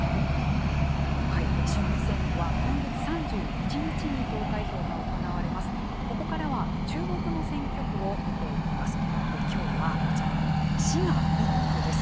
衆議院選挙は今月３１日に投開票が行われます。